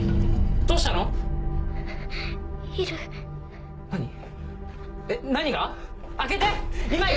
どうしたの⁉いる。